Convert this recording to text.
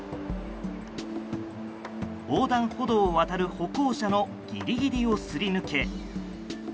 横断歩道を渡る歩行者のギリギリをすり抜け